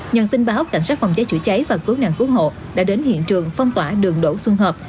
nhận tin báo cảnh sát phòng cháy chữa cháy và cứu nạn cứu hộ đã đến hiện trường phong tỏa đường đỗ xuân hợp